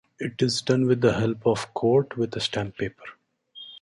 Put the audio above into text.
It is done with the help of court, with a stamp paper.